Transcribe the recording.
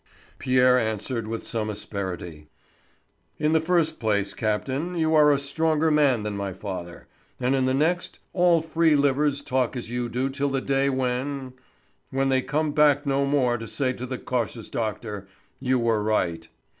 Pierre answered with some asperity: "In the first place, captain, you are a stronger man than my father; and in the next, all free livers talk as you do till the day when—when they come back no more to say to the cautious doctor: 'You were right.